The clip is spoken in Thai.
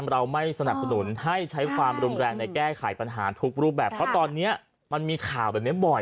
เราไม่สนับสนุนให้ใช้ความรุนแรงในแก้ไขปัญหาทุกรูปแบบเพราะตอนนี้มันมีข่าวแบบนี้บ่อย